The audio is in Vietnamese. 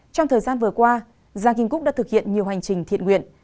trong thời gian vừa qua giang kim cúc đã thực hiện nhiều hành trình thiện nguyện